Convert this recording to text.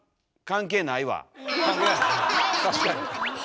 確かに。